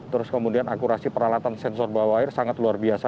terus kemudian akurasi peralatan sensor bawah air sangat luar biasa